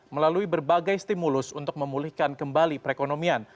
melalui berbagai stimulus untuk memulihkan kembali perekonomian